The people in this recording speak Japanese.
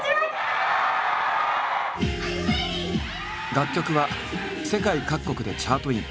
楽曲は世界各国でチャートイン。